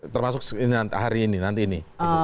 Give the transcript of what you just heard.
termasuk hari ini nanti ini